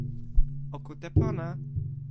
o kute pona.